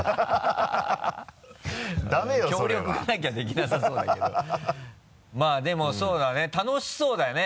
協力がなきゃできなさそうだけどまぁでもそうだね楽しそうだよね